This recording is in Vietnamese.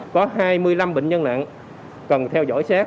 có hai mươi năm bệnh nhân nặng cần theo dõi sát